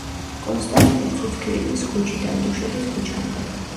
კონსტანტინე ცუცქირიძის ქუჩიდან, დუშეთის ქუჩამდე.